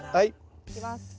いきます。